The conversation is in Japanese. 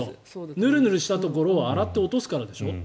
ヌルヌルしたところを洗って落とすからでしょ。